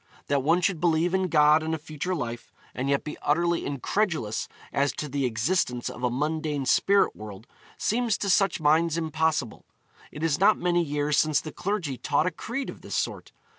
That one should believe in God and a future life, and yet be utterly incredulous as to the existence of a mundane spirit world, seems to such minds impossible. It is not many years since the clergy taught a creed of this sort.